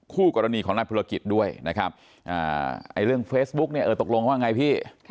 คู่กรณีของนายธุรกิจด้วยนะครับเรื่องเฟซบุ๊กเนี่ยเออตกลงว่าไงพี่